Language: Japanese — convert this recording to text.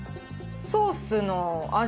ソースの味